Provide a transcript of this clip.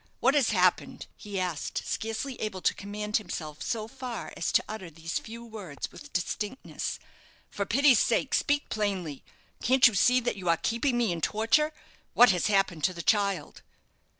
What has happened?" he asked, scarcely able to command himself so far as to utter these few words with distinctness. "For pity's sake speak plainly. Can't you see that you are keeping me in torture? What has happened to the child?"